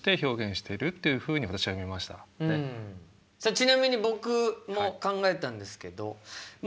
ちなみに僕も考えたんですけどま